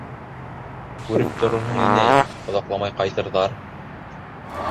— Күреп торорһоң, инәй, оҙаҡламай ҡайтырҙар...